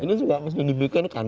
ini juga harus dibikinkan